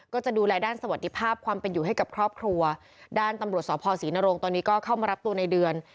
ก็จะดูแลด้านสวัสดิภาพความเป็นอยู่ให้กับครอบครัวด้านตำรวจสภศรีนโรงตอนนี้ก็เข้ามารับตัวในเดือน